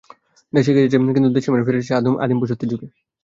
দেশ এগিয়ে যাচ্ছে, কিন্তু দেশের মানুষ ফিরে যাচ্ছে আদিম পশুত্বের যুগে।